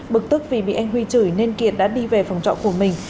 bực tức vì bị anh huy chửi nên kiệt đã đi về phòng trọ của mình